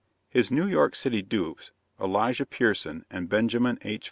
His New York city dupes, Elijah Pierson and Benjamin H.